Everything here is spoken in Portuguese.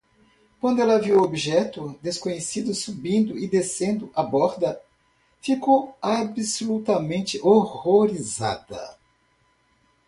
Quando ela viu o objeto desconhecido subindo e descendo a borda?, ficou absolutamente horrorizada.